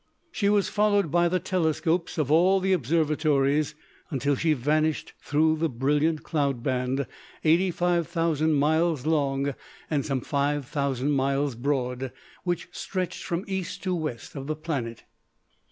She was followed by the telescopes of all the observatories until she vanished through the brilliant cloud band, eighty five thousand miles long and some five thousand miles broad, which stretched from east to west of the planet.